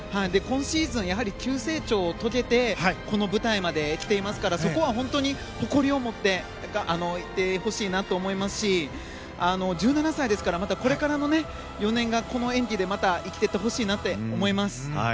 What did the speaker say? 今シーズンやはり急成長を遂げてこの舞台まで来ていますからそこは本当に誇りを持っていってほしいなと思いますし１７歳ですからまたこれからの４年がこの演技で今後に生きていってほしいなと思います。